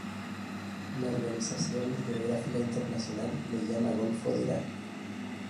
La Organización Hidrográfica Internacional lo llama golfo de Irán.